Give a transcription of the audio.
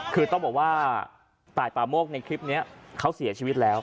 คือต้องบอกว่าตายป่าโมกในคลิปนี้เขาเสียชีวิตแล้ว